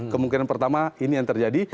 kemungkinan pertama ini yang terjadi